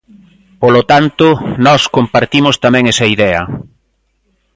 Polo tanto, nós compartimos tamén esa idea.